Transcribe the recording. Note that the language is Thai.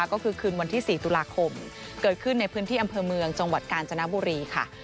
ก็คือคืนวันที่๔ตุลาคมเกิดขึ้นในพื้นที่อำเภอเมืองจังหวัดกาญจนบุรีค่ะ